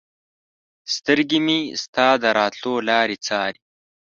سترګې مې ستا د راتلو لارې څاري